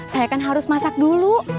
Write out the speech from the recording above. saya kan harus masak dulu